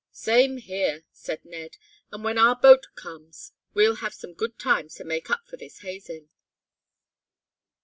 "Same here," added Ned. "And when our boat comes we'll have some good times to make up for this hazing."